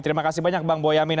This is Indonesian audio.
terima kasih banyak bang boyamin